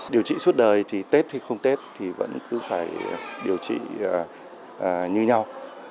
điều trị suốt đời thì tết hay không tết thì vẫn cứ phải điều trị như nhau